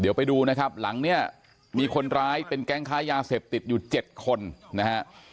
เดี๋ยวไปดูนะครับหลังเนี่ยมีคนร้ายเป็นแก๊งค้ายาเสพติดอยู่๗คนนะฮะ